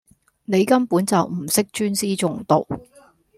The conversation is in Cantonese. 你根本就唔識專師重道